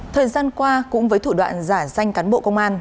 thời gian qua cũng với thủ đoạn giả danh cán bộ công an